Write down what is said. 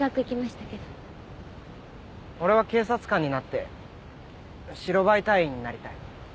俺は警察官になって白バイ隊員になりたい。